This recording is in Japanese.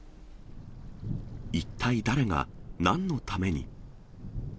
一体誰がなんのために。